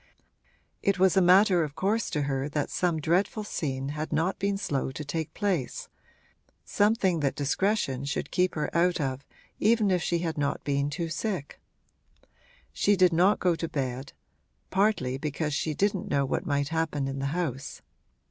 It was a matter of course to her that some dreadful scene had not been slow to take place, something that discretion should keep her out of even if she had not been too sick. She did not go to bed partly because she didn't know what might happen in the house.